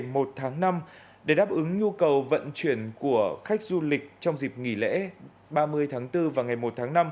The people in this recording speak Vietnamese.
từ hai mươi bảy tháng bốn đến ngày một tháng năm để đáp ứng nhu cầu vận chuyển của khách du lịch trong dịp nghỉ lễ ba mươi tháng bốn và ngày một tháng năm